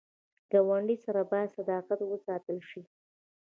ګاونډي سره باید صداقت وساتل شي